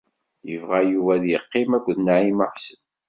Yebɣa Yuba ad yeqqim akked Naɛima u Ḥsen.